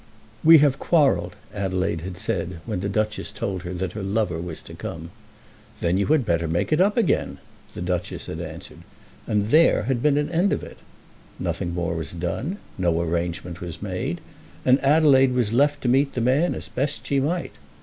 "We have quarrelled," Adelaide had said when the Duchess told her that her lover was to come. "Then you had better make it up again," the Duchess had answered, and there had been an end of it. Nothing more was done; no arrangement was made, and Adelaide was left to meet the man as best she might.